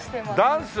ダンス？